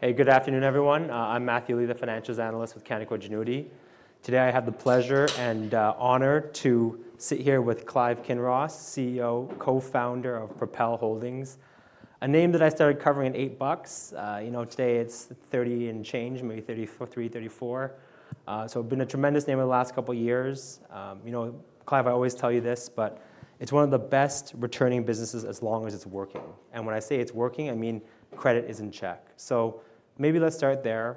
Hey, good afternoon, everyone. I'm Matthew Lee, the Financials analyst with Canaccord Genuity. Today, I have the pleasure and honor to sit here with Clive Kinross, CEO, co-founder of Propel Holdings, a name that I started covering at $8. You know, today it's $30 and change, maybe $33, $34. It's been a tremendous name in the last couple of years. You know, Clive, I always tell you this, but it's one of the best returning businesses as long as it's working. When I say it's working, I mean credit is in check. Maybe let's start there.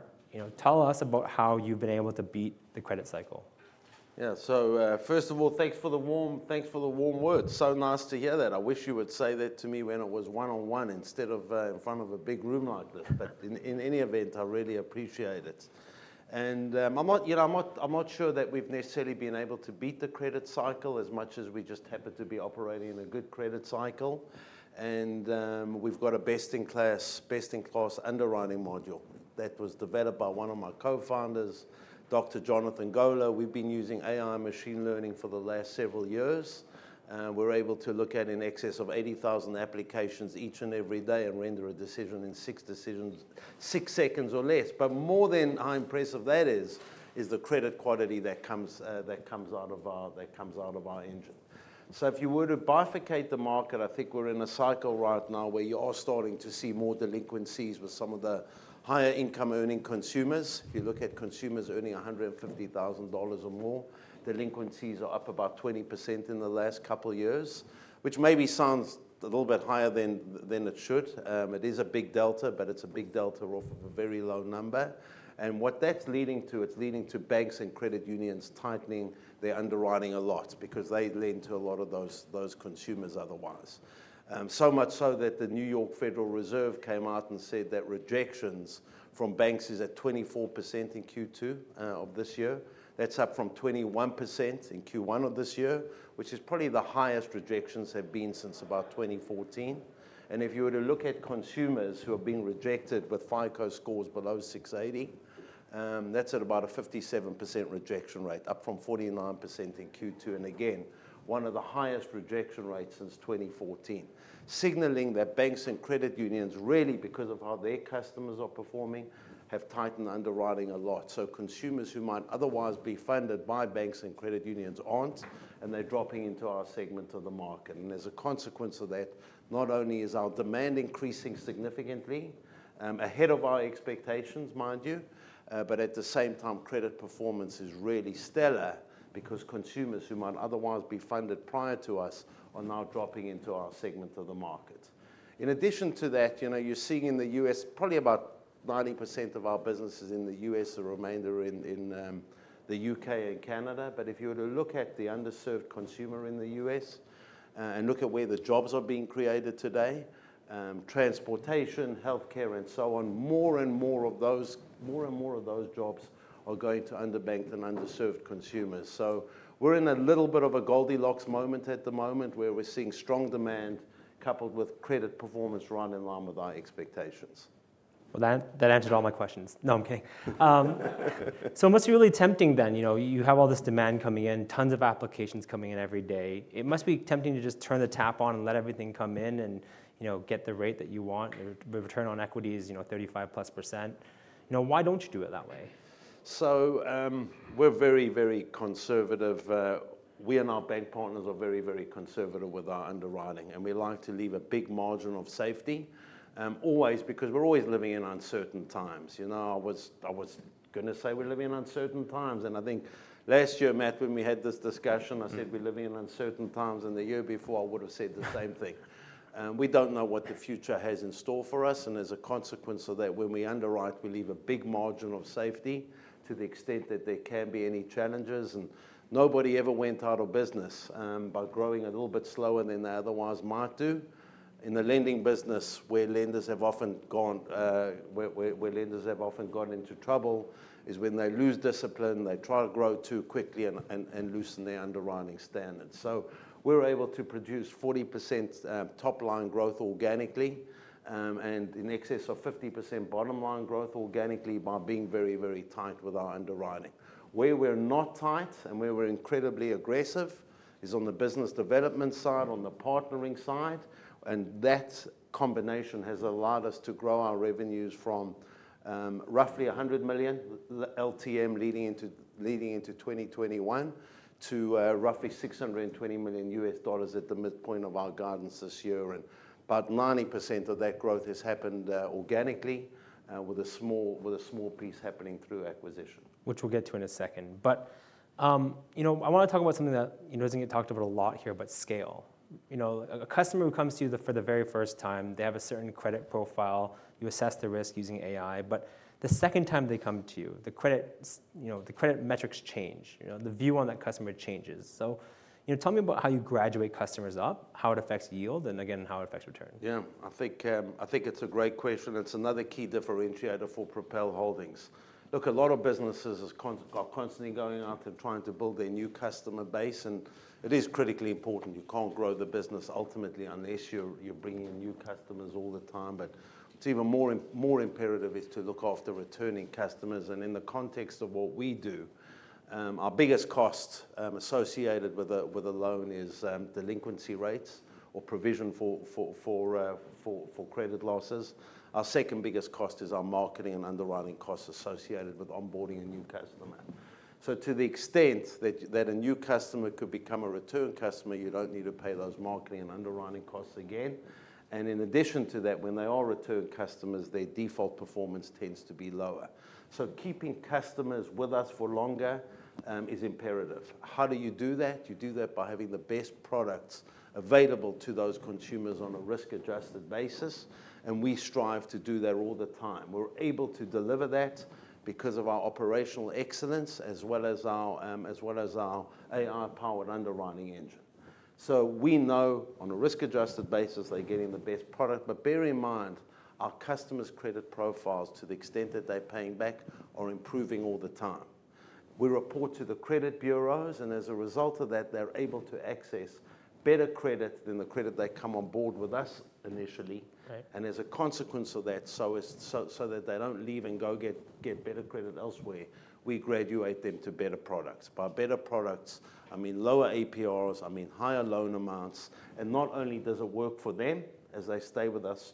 Tell us about how you've been able to beat the credit cycle. Yeah, first of all, thanks for the warm words. So nice to hear that. I wish you would say that to me when it was one-on-one instead of in front of a big room like this. In any event, I really appreciate it. I'm not sure that we've necessarily been able to beat the credit cycle as much as we just happen to be operating in a good credit cycle. We've got a best-in-class underwriting module that was developed by one of my co-founders, Dr. Jonathan Goler. We've been using AI machine learning for the last several years. We're able to look at an excess of 80,000 applications each and every day and render a decision in six seconds or less. More than how impressive that is, is the credit quality that comes out of our engine. If you were to bifurcate the market, I think we're in a cycle right now where you are starting to see more delinquencies with some of the higher income earning consumers. If you look at consumers earning $150,000 or more, delinquencies are up about 20% in the last couple of years, which maybe sounds a little bit higher than it should. It is a big delta, but it's a big delta off of a very low number. What that's leading to, it's leading to banks and credit unions tightening their underwriting a lot because they lend to a lot of those consumers otherwise. The New York Federal Reserve came out and said that rejections from banks are at 24% in Q2 of this year. That's up from 21% in Q1 of this year, which is probably the highest rejections have been since about 2014. If you were to look at consumers who have been rejected with FICO scores below 680, that's at about a 57% rejection rate, up from 49% in Q2. Again, one of the highest rejection rates since 2014, signaling that banks and credit unions really, because of how their customers are performing, have tightened underwriting a lot. Consumers who might otherwise be funded by banks and credit unions aren't, and they're dropping into our segment of the market. As a consequence of that, not only is our demand increasing significantly ahead of our expectations, mind you, but at the same time, credit performance is really stellar because consumers who might otherwise be funded prior to us are now dropping into our segment of the market. In addition to that, you're seeing in the U.S., probably about 90% of our business is in the U.S., the remainder in the UK and Canada. If you were to look at the underserved consumer in the U.S. and look at where the jobs are being created today—transportation, healthcare, and so on—more and more of those jobs are going to underbanked and underserved consumers. We're in a little bit of a Goldilocks moment at the moment where we're seeing strong demand coupled with credit performance right in line with our expectations. I'm kidding. It must be really tempting then. You know, you have all this demand coming in, tons of applications coming in every day. It must be tempting to just turn the tap on and let everything come in and, you know, get the rate that you want, return on equities, you know, 35%+. You know, why don't you do it that way? We're very, very conservative. We and our bank partners are very, very conservative with our underwriting. We like to leave a big margin of safety always because we're always living in uncertain times. I was going to say we're living in uncertain times. I think last year, Matt, when we had this discussion, I said we're living in uncertain times. The year before, I would have said the same thing. We don't know what the future has in store for us. As a consequence of that, when we underwrite, we leave a big margin of safety to the extent that there can be any challenges. Nobody ever went out of business by growing a little bit slower than they otherwise might do. In the lending business, where lenders have often gone into trouble is when they lose discipline, they try to grow too quickly and loosen their underwriting standards. We're able to produce 40% top-line growth organically and in excess of 50% bottom-line growth organically by being very, very tight with our underwriting. Where we're not tight and where we're incredibly aggressive is on the business development side, on the partnering side. That combination has allowed us to grow our revenues from roughly $100 million LTM leading into 2021 to roughly $620 million at the midpoint of our guidance this year. About 90% of that growth has happened organically with a small piece happening through acquisition. Which we'll get to in a second. I want to talk about something that isn't getting talked about a lot here, but scale. A customer who comes to you for the very first time, they have a certain credit profile. You assess the risk using AI. The second time they come to you, the credit metrics change. The view on that customer changes. Tell me about how you graduate customers up, how it affects yield, and again, how it affects return. Yeah, I think it's a great question. It's another key differentiator for Propel Holdings. Look, a lot of businesses are constantly going out and trying to build their new customer base. It is critically important. You can't grow the business ultimately unless you're bringing new customers all the time. It's even more imperative to look after returning customers. In the context of what we do, our biggest cost associated with a loan is delinquency rates or provision for credit losses. Our second biggest cost is our marketing and underwriting costs associated with onboarding a new customer. To the extent that a new customer could become a return customer, you don't need to pay those marketing and underwriting costs again. In addition to that, when they are return customers, their default performance tends to be lower. Keeping customers with us for longer is imperative. How do you do that? You do that by having the best products available to those consumers on a risk-adjusted basis. We strive to do that all the time. We're able to deliver that because of our operational excellence, as well as our AI-powered underwriting engine. We know on a risk-adjusted basis they're getting the best product. Bear in mind, our customers' credit profiles, to the extent that they're paying back, are improving all the time. We report to the credit bureaus. As a result of that, they're able to access better credit than the credit they come on board with us initially. As a consequence of that, so that they don't leave and go get better credit elsewhere, we graduate them to better products. By better products, I mean lower APRs, I mean higher loan amounts. Not only does it work for them as they stay with us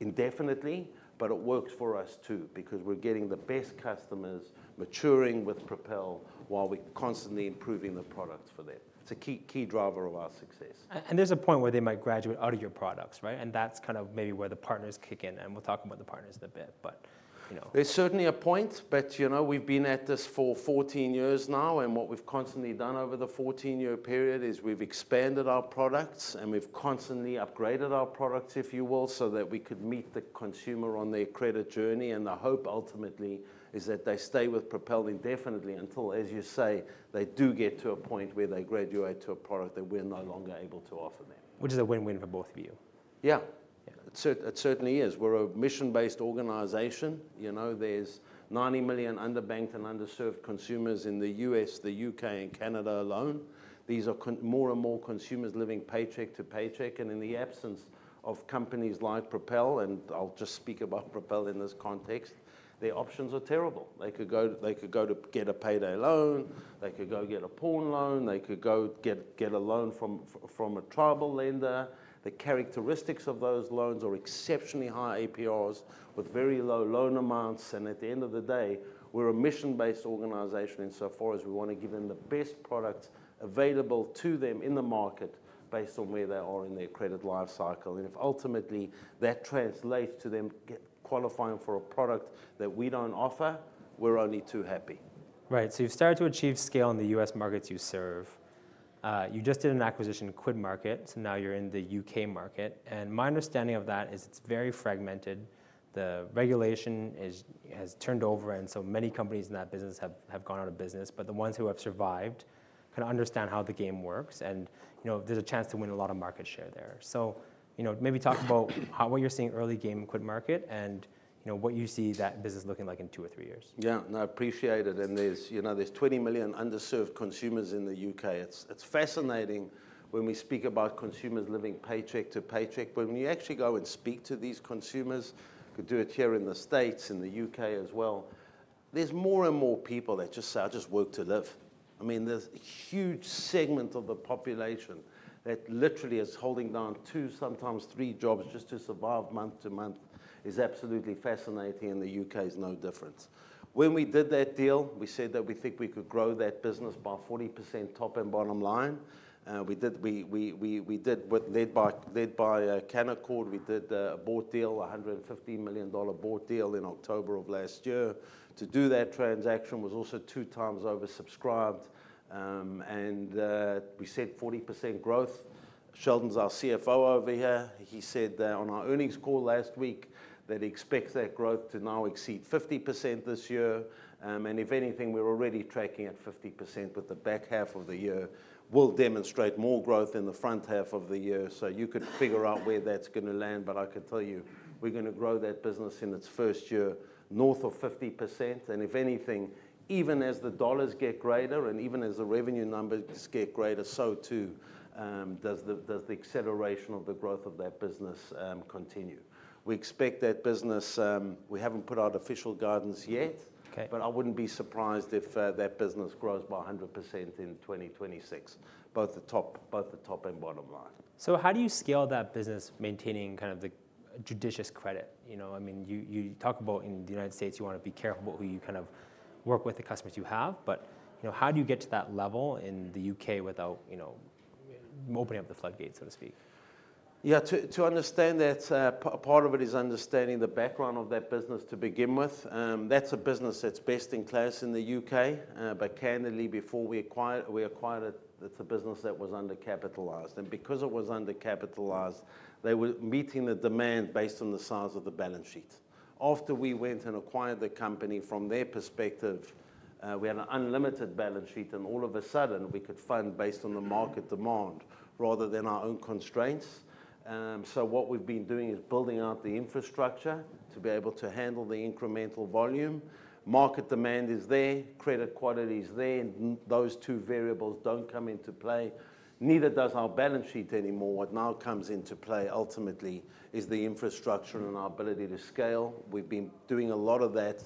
indefinitely, it works for us too because we're getting the best customers maturing with Propel while we're constantly improving the products for them. It's a key driver of our success. There's a point where they might graduate out of your products, right? That's kind of maybe where the partners kick in. We'll talk about the partners in a bit. You know. There's certainly a point. We've been at this for 14 years now, and what we've constantly done over the 14-year period is we've expanded our products. We've constantly upgraded our products, if you will, so that we could meet the consumer on their credit journey. The hope ultimately is that they stay with Propel indefinitely until, as you say, they do get to a point where they graduate to a product that we're no longer able to offer them. Which is a win-win for both of you. Yeah, it certainly is. We're a mission-based organization. You know, there's 90 million underbanked and underserved consumers in the U.S., the UK, and Canada alone. These are more and more consumers living paycheck to paycheck. In the absence of companies like Propel, and I'll just speak about Propel in this context, their options are terrible. They could go to get a payday loan. They could go get a pawn loan. They could go get a loan from a tribal lender. The characteristics of those loans are exceptionally high APRs with very low loan amounts. At the end of the day, we're a mission-based organization insofar as we want to give them the best products available to them in the market based on where they are in their credit lifecycle. If ultimately that translates to them qualifying for a product that we don't offer, we're only too happy. Right. So, you've started to achieve scale in the U.S. markets you serve. You just did an acquisition in QuidMarket. Now you're in the UK market. My understanding of that is it's very fragmented. The regulation has turned over. Many companies in that business have gone out of business. The ones who have survived can understand how the game works. There's a chance to win a lot of market share there. Maybe talk about what you're seeing early game in QuidMarket and what you see that business looking like in two or three years. Yeah, no, I appreciate it. There are 20 million underserved consumers in the UK. It's fascinating when we speak about consumers living paycheck to paycheck. When you actually go and speak to these consumers, you could do it here in the U.S., in the UK as well, there are more and more people that just say, "I'll just work to live." I mean, there's a huge segment of the population that literally is holding down two, sometimes three jobs just to survive month to month. It's absolutely fascinating. The UK is no different. When we did that deal, we said that we think we could grow that business by 40% top and bottom line. We did what was led by Canaccord. We did a board deal, a $115 million board deal in October of last year. To do that transaction was also two times oversubscribed. We said 40% growth. Sheldon’s our CFO over here. He said that on our earnings call last week that he expects that growth to now exceed 50% this year. If anything, we're already tracking at 50% with the back half of the year. We'll demonstrate more growth in the front half of the year. You could figure out where that's going to land. I could tell you we're going to grow that business in its first year north of 50%. If anything, even as the dollars get greater and even as the revenue numbers get greater, so too does the acceleration of the growth of that business continue. We expect that business, we haven't put out official guidance yet. I wouldn't be surprised if that business grows by 100% in 2026, both the top and bottom line. How do you scale that business, maintaining kind of the judicious credit? I mean, you talk about in the U.S., you want to be careful about who you kind of work with, the customers you have. How do you get to that level in the UK without opening up the floodgates, so to speak? Yeah, to understand that, a part of it is understanding the background of that business to begin with. That's a business that's best in class in the UK. Candidly, before we acquired it, it's a business that was undercapitalized. Because it was undercapitalized, they were meeting the demand based on the size of the balance sheet. After we went and acquired the company, from their perspective, we had an unlimited balance sheet. All of a sudden, we could fund based on the market demand rather than our own constraints. What we've been doing is building out the infrastructure to be able to handle the incremental volume. Market demand is there. Credit quality is there. Those two variables don't come into play. Neither does our balance sheet anymore. What now comes into play ultimately is the infrastructure and our ability to scale. We've been doing a lot of that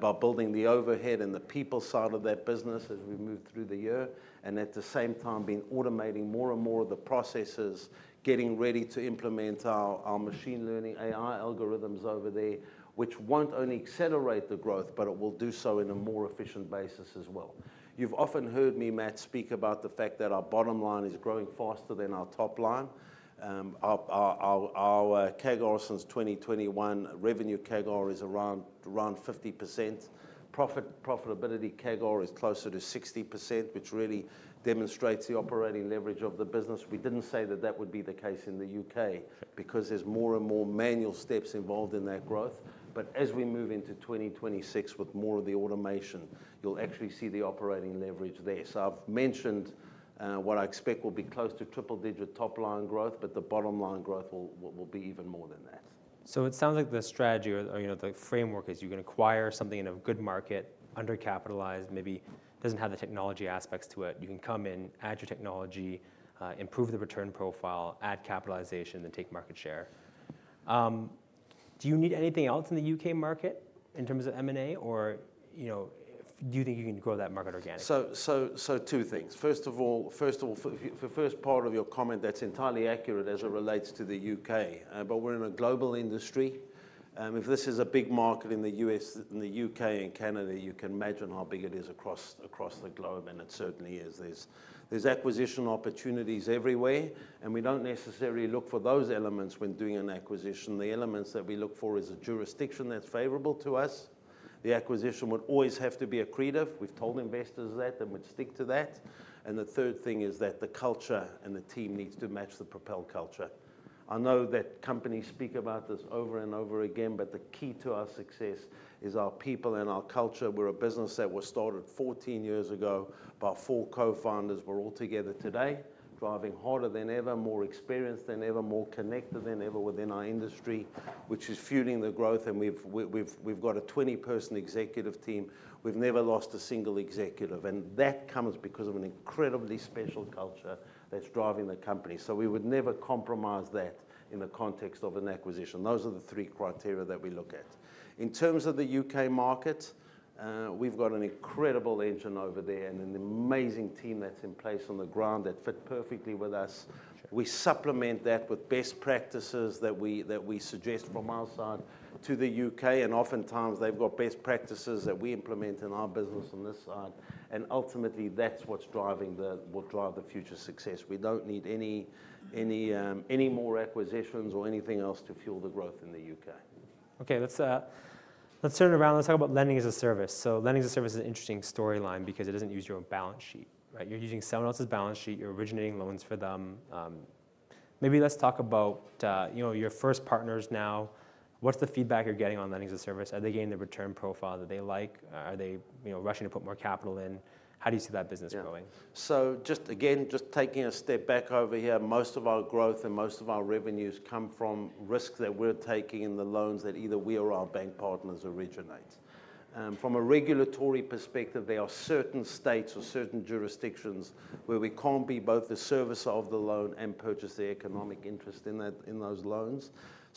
by building the overhead and the people side of that business as we move through the year. At the same time, been automating more and more of the processes, getting ready to implement our machine learning AI algorithms over there, which won't only accelerate the growth, but it will do so in a more efficient basis as well. You've often heard me, Matt, speak about the fact that our bottom line is growing faster than our top line. Our CAGR since 2021, revenue CAGR is around 50%. Profitability CAGR is closer to 60%, which really demonstrates the operating leverage of the business. We didn't say that that would be the case in the UK because there's more and more manual steps involved in that growth. As we move into 2026 with more of the automation, you'll actually see the operating leverage there. I've mentioned what I expect will be close to triple-digit top line growth, but the bottom line growth will be even more than that. It sounds like the strategy or, you know, the framework is you can acquire something in a good market, undercapitalized, maybe doesn't have the technology aspects to it. You can come in, add your technology, improve the return profile, add capitalization, and take market share. Do you need anything else in the UK market in terms of M&A, or do you think you can grow that market organically? Two things. First of all, for the first part of your comment, that's entirely accurate as it relates to the UK. We're in a global industry. If this is a big market in the U.S., in the UK, and Canada, you can imagine how big it is across the globe. It certainly is. There are acquisition opportunities everywhere. We don't necessarily look for those elements when doing an acquisition. The elements that we look for are a jurisdiction that's favorable to us. The acquisition would always have to be accretive. We've told investors that and would stick to that. The third thing is that the culture and the team need to match the Propel culture. I know that companies speak about this over and over again, but the key to our success is our people and our culture. We're a business that was started 14 years ago by four co-founders. We're all together today, driving harder than ever, more experienced than ever, more connected than ever within our industry, which is fueling the growth. We've got a 20-person executive team. We've never lost a single executive. That comes because of an incredibly special culture that's driving the company. We would never compromise that in the context of an acquisition. Those are the three criteria that we look at. In terms of the UK market, we've got an incredible engine over there and an amazing team that's in place on the ground that fit perfectly with us. We supplement that with best practices that we suggest from our side to the UK. Oftentimes, they've got best practices that we implement in our business on this side. Ultimately, that's what's driving the future success. We don't need any more acquisitions or anything else to fuel the growth in the UK. Okay, let's turn it around. Let's talk about Lending-as-a-Service. Lending-as-a-Service is an interesting storyline because it doesn't use your own balance sheet, right? You're using someone else's balance sheet. You're originating loans for them. Maybe let's talk about your first partners now. What's the feedback you're getting on Lending-as-a-service? Are they getting the return profile that they like? Are they rushing to put more capital in? How do you see that business growing? Just taking a step back over here, most of our growth and most of our revenues come from risks that we're taking in the loans that either we or our bank partners originate. From a regulatory perspective, there are certain states or certain jurisdictions where we can't be both the servicer of the loan and purchase the economic interest in those loans.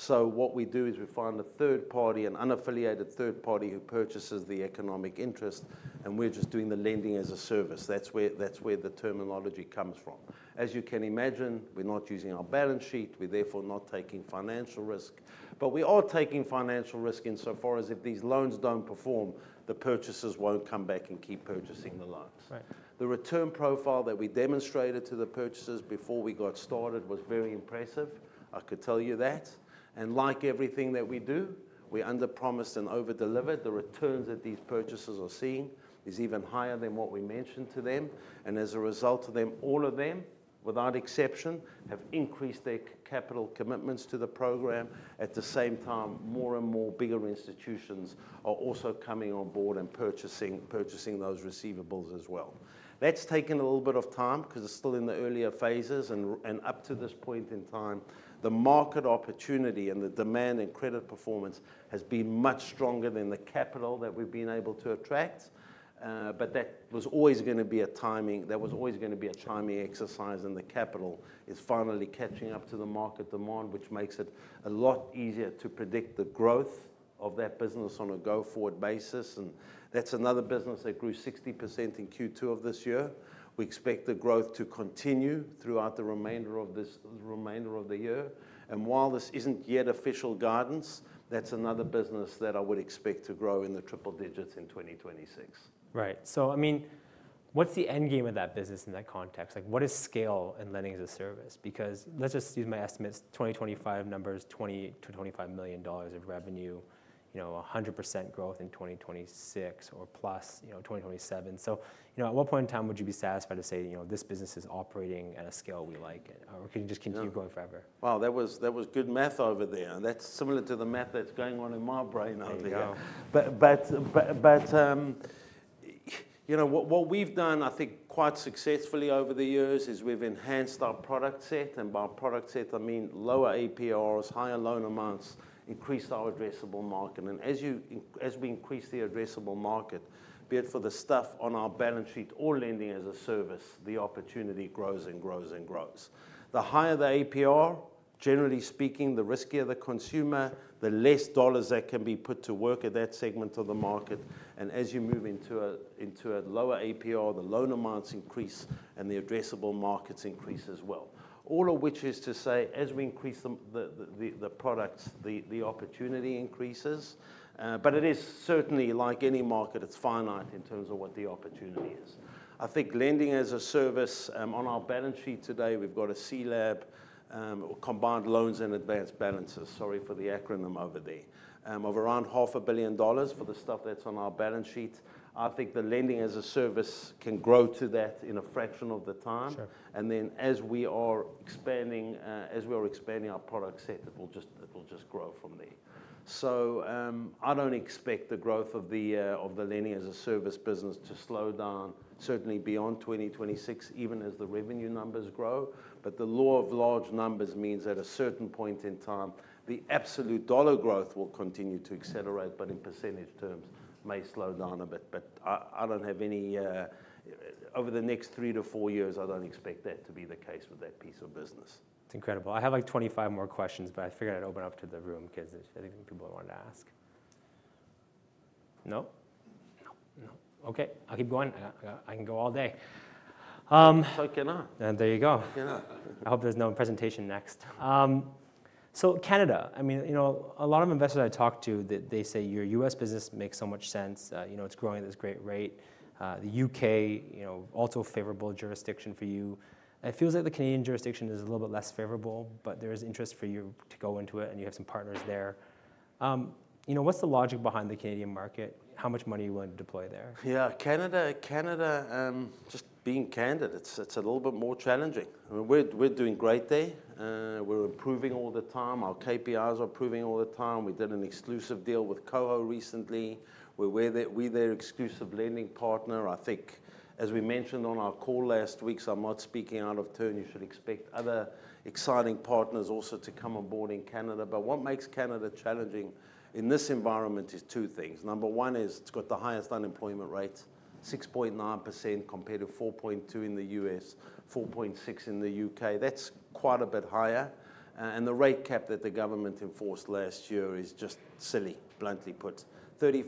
What we do is we find a third party, an unaffiliated third party who purchases the economic interest, and we're just doing the Lending-as-a-Service. That's where the terminology comes from. As you can imagine, we're not using our balance sheet. We're therefore not taking financial risk. We are taking financial risk insofar as if these loans don't perform, the purchasers won't come back and keep purchasing the loans. Right The return profile that we demonstrated to the purchasers before we got started was very impressive.I could tell you that. Like everything that we do, we underpromised and overdelivered. The returns that these purchasers are seeing are even higher than what we mentioned to them. As a result of them, all of them, without exception, have increased their capital commitments to the program. At the same time, more and more bigger institutions are also coming on board and purchasing those receivables as well. That's taken a little bit of time because it's still in the earlier phases. Up to this point in time, the market opportunity and the demand and credit performance have been much stronger than the capital that we've been able to attract. That was always going to be a timing exercise. The capital is finally catching up to the market demand, which makes it a lot easier to predict the growth of that business on a go-forward basis. That's another business that grew 60% in Q2 of this year. We expect the growth to continue throughout the remainder of the year. While this isn't yet official guidance, that's another business that I would expect to grow in the triple digits in 2026. Right. What's the end game of that business in that context? What is scale in Lending-as-a-Service? Let's just use my estimates, 2025 numbers, $20 million-$25 million of revenue, 100% growth in 2026 or plus, 2027. At what point in time would you be satisfied to say this business is operating at a scale we like? Can you just continue going forever? That was good math over there. That's similar to the math that's going on in my brain over there. What we've done, I think, quite successfully over the years is we've enhanced our product set. By product set, I mean lower APRs, higher loan amounts, increased our addressable market. As we increase the addressable market, be it for the stuff on our balance sheet or Lending-as-a-Service, the opportunity grows and grows and grows. The higher the APR, generally speaking, the riskier the consumer, the less dollars that can be put to work at that segment of the market. As you move into a lower APR, the loan amounts increase and the addressable markets increase as well. All of which is to say, as we increase the products, the opportunity increases. It is certainly, like any market, finite in terms of what the opportunity is. I think Lending-as-a-Service on our balance sheet today, we've got a CLAB, Combined Loans and Advanced Balances, sorry for the acronym over there, of around $500 million for the stuff that's on our balance sheet. I think the Lending-as-a-Service can grow to that in a fraction of the time. As we are expanding our product set, it will just grow from there. I don't expect the growth of the Lending-as-a-Service business to slow down, certainly beyond 2026, even as the revenue numbers grow. The law of large numbers means at a certain point in time, the absolute dollar growth will continue to accelerate, but in percentage terms may slow down a bit. I don't have any, over the next three to four years, I don't expect that to be the case with that piece of business. It's incredible. I have like 25 more questions, but I figured I'd open up to the room in case there's anything people wanted to ask. No? No, no. Okay, I'll keep going. I can go all day. I can. There you go. Can I. I hope there's no presentation next. Canada, I mean, you know, a lot of investors I talk to, they say your U.S. business makes so much sense. It's growing at this great rate. The UK, you know, also a favorable jurisdiction for you. It feels like the Canadian jurisdiction is a little bit less favorable, but there is interest for you to go into it and you have some partners there. What's the logic behind the Canadian market? How much money are you willing to deploy there? Yeah, Canada, Canada just being candid, it's a little bit more challenging. I mean, we're doing great there. We're improving all the time. Our KPIs are improving all the time. We did an exclusive deal with KOHO recently. We're their exclusive lending partner. I think, as we mentioned on our call last week, so I'm not speaking out of turn, you should expect other exciting partners also to come on board in Canada. What makes Canada challenging in this environment is two things. Number one is it's got the highest unemployment rates, 6.9% compared to 4.2% in the U.S., 4.6% in the UK. That's quite a bit higher. The rate cap that the government enforced last year is just silly, bluntly put, 35%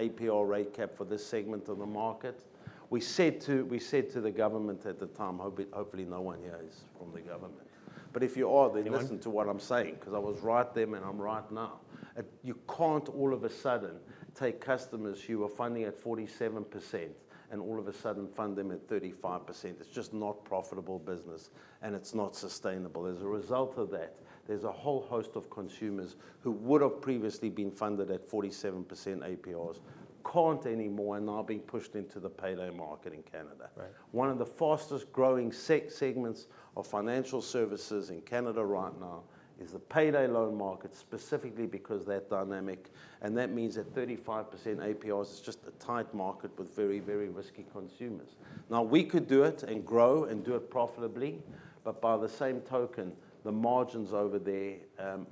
APR cap for this segment of the market. We said to the government at the time, hopefully no one hears from the government. If you are, then listen to what I'm saying because I was right then and I'm right now. You can't all of a sudden take customers who are funding at 47% and all of a sudden fund them at 35%. It's just not a profitable business and it's not sustainable. As a result of that, there's a whole host of consumers who would have previously been funded at 47% APRs can't anymore and are now being pushed into the payday market in Canada. One of the fastest growing segments of financial services in Canada right now is the payday loan market specifically because of that dynamic. That means at 35% APRs, it's just a tight market with very, very risky consumers. Now, we could do it and grow and do it profitably, but by the same token, the margins over there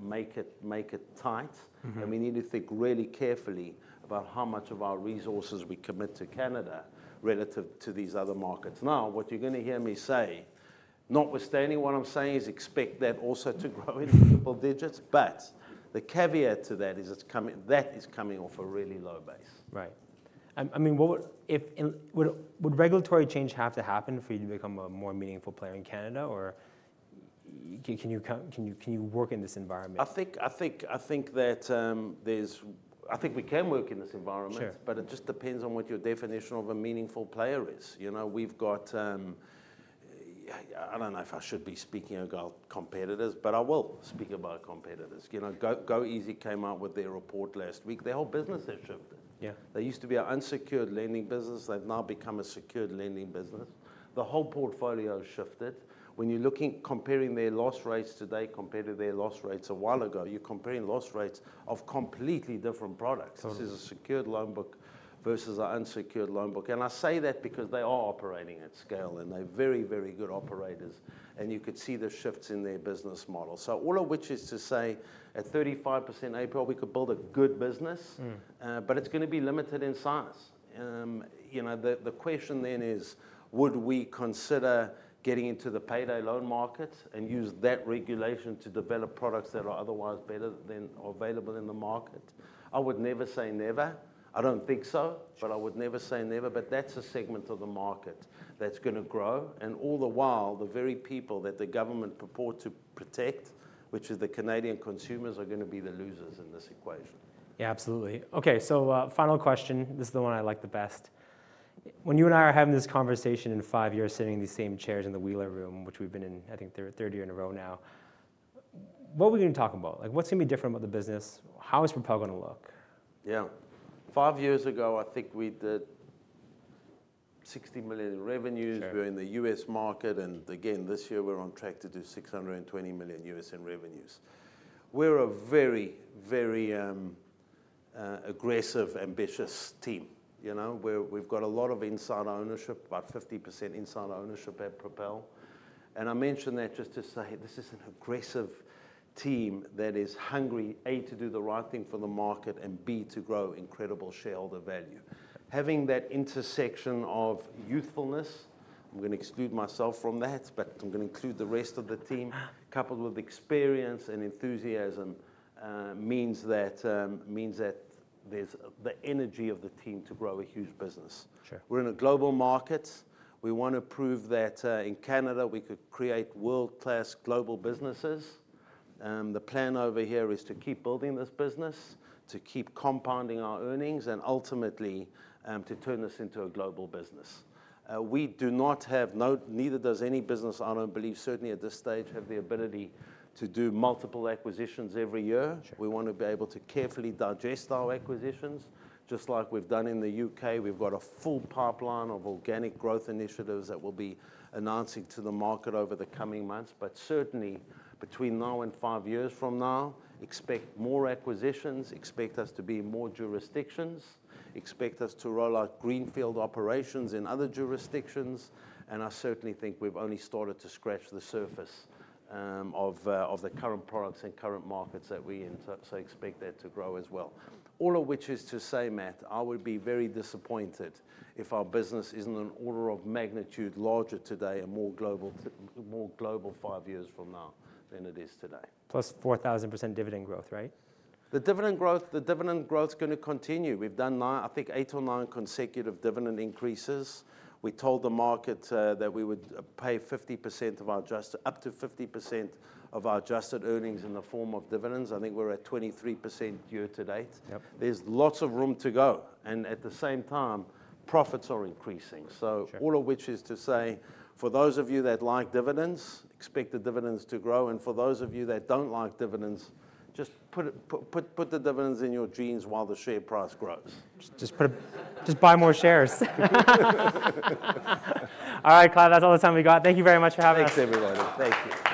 make it tight. We need to think really carefully about how much of our resources we commit to Canada relative to these other markets. What you're going to hear me say, notwithstanding what I'm saying, is expect that also to grow in triple digits, but the caveat to that is that it's coming off a really low base. Right. I mean, would regulatory change have to happen for you to become a more meaningful player in Canada, or can you work in this environment? I think we can work in this environment, but it just depends on what your definition of a meaningful player is. You know, we've got, I don't know if I should be speaking about competitors, but I will speak about competitors. You know, goeasy came out with their report last week. Their whole business has shifted. Yeah. They used to be an unsecured lending business. They've now become a secured lending business. The whole portfolio has shifted. When you're looking at comparing their loss rates today compared to their loss rates a while ago, you're comparing loss rates of completely different products. This is a secured loan book versus an unsecured loan book. I say that because they are operating at scale, and they're very, very good operators. You could see the shifts in their business model, all of which is to say at 35% APR, we could build a good business, but it's going to be limited in size. The question then is, would we consider getting into the payday loan market and use that regulation to develop products that are otherwise better than available in the market? I would never say never. I don't think so, but I would never say never. That's a segment of the market that's going to grow. All the while, the very people that the government purports to protect, which are the Canadian consumers, are going to be the losers in this equation. Yeah, absolutely. Okay, final question. This is the one I like the best. When you and I are having this conversation in five years, sitting in these same chairs in the Wheeler Room, which we've been in, I think, the third year in a row now, what are we going to talk about? What's going to be different about the business? How is Propel going to look? Yeah. Five years ago, I think we did $60 million in revenues. We were in the U.S. market. This year, we're on track to do $620 million U.S. in revenues. We're a very, very aggressive, ambitious team. We've got a lot of inside ownership, about 50% inside ownership at Propel. I mention that just to say this is an aggressive team that is hungry, A, to do the right thing for the market and B, to grow incredible shareholder value. Having that intersection of youthfulness, I'm going to exclude myself from that, but I'm going to include the rest of the team, coupled with experience and enthusiasm, means that there's the energy of the team to grow a huge business. Sure. We're in a global market. We want to prove that in Canada, we could create world-class global businesses. The plan over here is to keep building this business, to keep compounding our earnings, and ultimately to turn this into a global business. We do not have, neither does any business I don't believe, certainly at this stage, have the ability to do multiple acquisitions every year. We want to be able to carefully digest our acquisitions, just like we've done in the UK. We've got a full pipeline of organic growth initiatives that we'll be announcing to the market over the coming months. Certainly, between now and five years from now, expect more acquisitions, expect us to be in more jurisdictions, expect us to roll out greenfield operations in other jurisdictions. I certainly think we've only started to scratch the surface of the current products and current markets that we enter. Expect that to grow as well. All of which is to say, Matt, I would be very disappointed if our business isn't an order of magnitude larger and more global five years from now than it is today. Plus 4,000% dividend growth, right? The dividend growth is going to continue. We've done now, I think, eight or nine consecutive dividend increases. We told the market that we would pay up to 50% of our adjusted earnings in the form of dividends. I think we're at 23% year to date. There's lots of room to go. At the same time, profits are increasing. All of which is to say, for those of you that like dividends, expect the dividends to grow. For those of you that don't like dividends, just put the dividends in your jeans while the share price grows. Just buy more shares. All right, Clive, that's all the time we got. Thank you very much for having us. Thanks, everybody. Thank you.